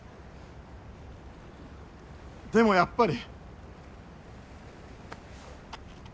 でもやっぱり。